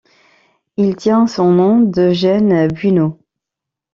Il tient son nom d'Eugène Buino.